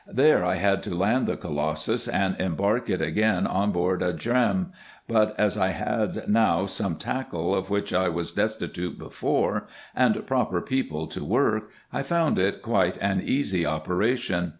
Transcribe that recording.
There I had to land the colossus, and embark it again on board a djerm ; but as I had now some tackle, of which I was destitute before, and proper people to work, I found it quite an easy operation.